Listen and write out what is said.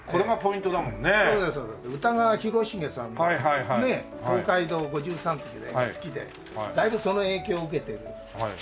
歌川広重さんのね『東海道五十三次』の絵が好きでだいぶその影響を受けてると思います。